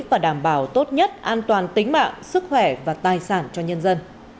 và đảm bảo tốt nhất an toàn tính mạng sức khỏe và tài sản cho nhân dân